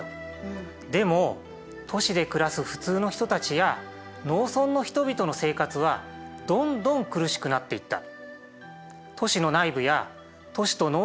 でも都市で暮らす普通の人たちや農村の人々の生活はどんどん苦しくなっていった。